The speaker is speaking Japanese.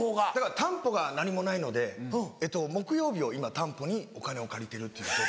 担保が何もないので木曜日を今担保にお金を借りてるっていう。